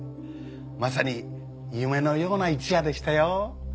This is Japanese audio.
まさに夢のような一夜でしたよ。